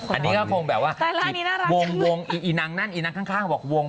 อ๋ออันนี้ก็คงแบบว่าจีบวงอีนางนั่นอีนางข้างบอกวง